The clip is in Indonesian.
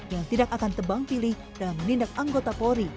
yang tidak akan tebang pilih dalam menindak anggota polri